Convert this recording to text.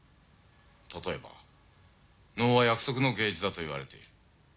例えば能は約束の芸術だと言われている。